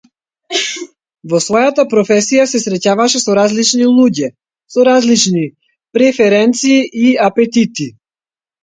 Во својата професија се среќаваше со различни луѓе, со различни преференции и апетити.